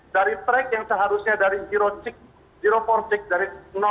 dari track yang seharusnya dari empat check dari empat puluh enam